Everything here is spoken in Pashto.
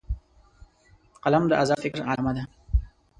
قلم د آزاد فکر علامه ده